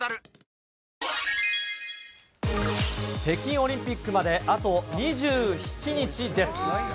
北京オリンピックまであと２７日です。